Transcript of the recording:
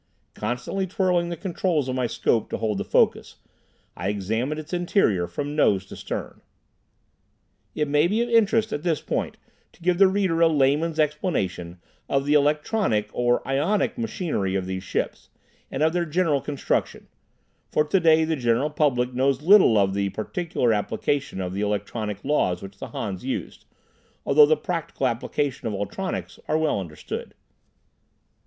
Constantly twirling the controls of my scope to hold the focus, I examined its interior from nose to stern. It may be of interest at this point to give the reader a layman's explanation of the electronic or ionic machinery of these ships, and of their general construction, for today the general public knows little of the particular application of the electronic laws which the Hans used, although the practical application of ultronics are well understood.